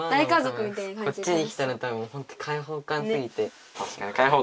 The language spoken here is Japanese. こっちに来たら多分ほんと開放感すぎて。